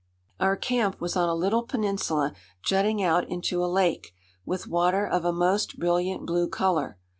Our camp was on a little peninsula jutting out into a lake, with water of a most brilliant blue color.